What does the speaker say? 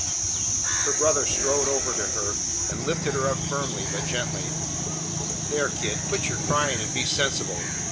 Her brother strode over to her, and lifted her up firmly but gently. "There, kid, quit your crying and be sensible.